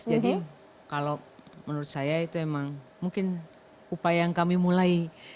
jadi kalau menurut saya itu emang mungkin upaya yang kami mulai